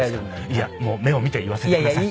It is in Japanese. いや目を見て言わせてください。